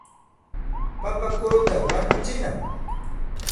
Papa kurutaqa wañuchinam.